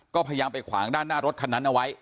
ก็พยายามไปขวางด้านหน้ารถคันนั้นเอาไว้